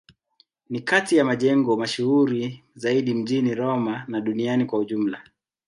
Ni kati ya majengo mashuhuri zaidi mjini Roma na duniani kwa ujumla.